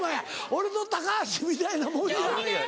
俺と高橋みたいなもんや。